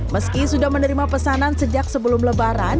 meski sudah menerima pesanan sejak sebelum lebaran